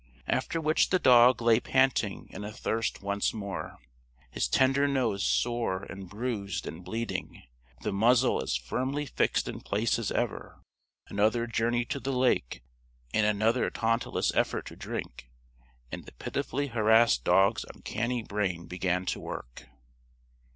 After which the dog lay panting and athirst once more; his tender nose sore and bruised and bleeding; the muzzle as firmly fixed in place as ever. Another journey to the lake and another Tantalus effort to drink and the pitifully harassed dog's uncanny brain began to work.